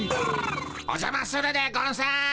おじゃまするでゴンス。